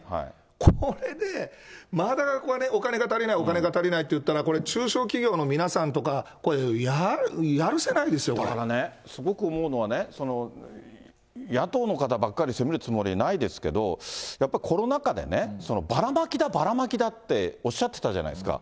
これで、まだお金が足りない、お金が足りないって言ったら、これ、中小企業の皆さんとか、これ、だからね、すごく思うのはね、野党の方ばっかり責めるつもりはないですけど、やっぱりコロナ禍でね、ばらまきだ、ばらまきだっておっしゃってたじゃないですか。